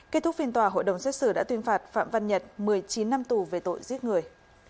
kết thúc phiên tòa hội đồng xét xử đã tuyên phạt phạm văn nhật một mươi chín năm tù về tội giết người